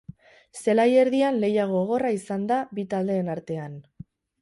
Zelai erdian lehia gogorra izan da bi taldeen artean.